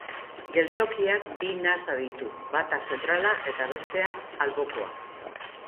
Geltokiak bi nasa ditu, bata zentrala eta bestea albokoa.